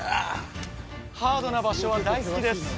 ハードな場所は大好きです